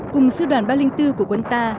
cùng sư đoàn ba trăm linh bốn của quân ta